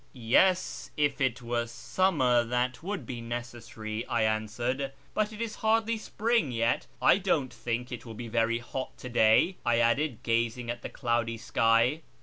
" Yes, if it were summer that would be necessary," I answered, " but it is hardly spring yet. I don't think it will be very hot to day," I added, gazing at the cloudy sky.